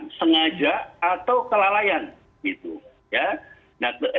tindakan sengaja atau kelalaian